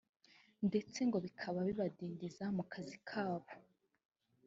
ndetse ngo bikaba bibadindiza mu kazi kabo